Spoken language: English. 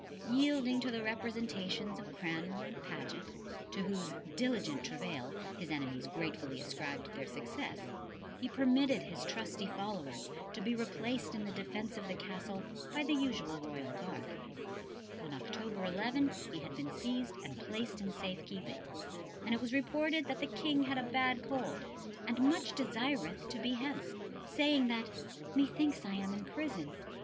Yielding to the representations of Cranmer and Paget, to whose "diligent travail" his enemies gratefully ascribed their success, he permitted his trusty followers to be replaced in the defence of the Castle by the usual royal guard; on October 11 he had been seized and placed in safe keeping, and it was reported that the King had a bad cold, and "much desireth to be hence, saying that 'Methinks I am in prison.